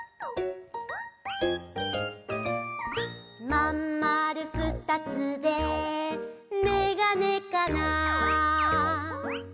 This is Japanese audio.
「まんまるふたつでメガネかな」